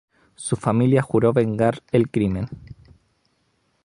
Su familia juró vengar el crimen.